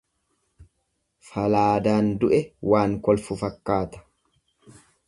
Falaadaan du'e waan kolfu fakkaata.